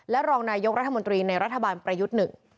และรองนายกรัฐมนตรีในรัฐบาลประยุทธ์๑